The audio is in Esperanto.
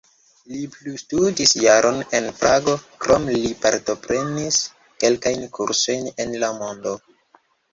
Li plustudis jaron en Prago, krome li partoprenis kelkajn kursojn en la mondo.